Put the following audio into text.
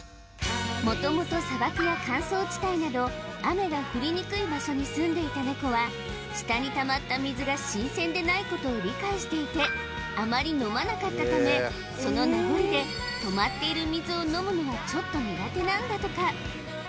元々砂漠や乾燥地帯など雨が降りにくい場所にすんでいたネコは下に溜まった水が新鮮でないことを理解していてあまり飲まなかったためその名残で止まっている水を飲むのはちょっと苦手なんだとか